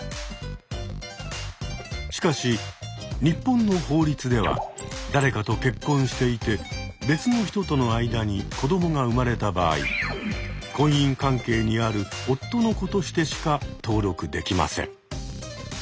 しかし日本の法律では誰かと結婚していて別の人との間に子どもが産まれた場合婚姻関係にある夫の子としてしか登録できません。